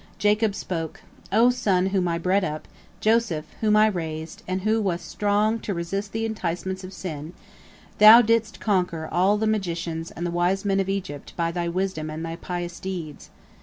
Jacob spoke: "O son whom I bred up, Joseph, whom I raised, and who wast strong to resist the enticements of sin, thou didst conquer all the magicians and the wise men of Egypt by thy wisdom and thy pious deeds.